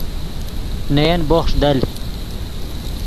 نے ین بوخݰ دل